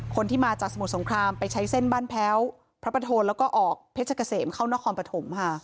คนที่มาจากสมุทรสงครามไปใช้เส้นบ้านแพ้วพระประโทนแล้วก็ออกเพชรเกษมเข้านครปฐมค่ะ